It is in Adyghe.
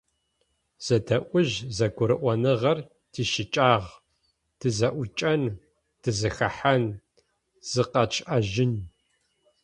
Зэдэӏужь-зэгурыӏоныгъэр тищыкӏагъ: тызэӏукӏэн, тызэхэхьан, зыкъэтшӏэжьын…